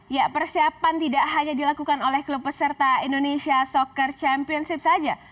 ya persiapan tidak hanya dilakukan oleh klub peserta indonesia soccer championship saja